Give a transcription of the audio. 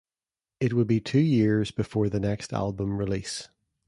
It would be two years before the next album release.